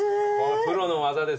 プロの技ですよ。